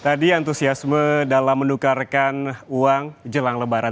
tadi antusiasme dalam menukarkan uang jelang lebaran